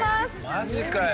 マジかよ。